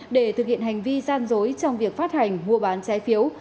để thực hiện hành vi gian dối trong việc phát hành mua bán trái phiếu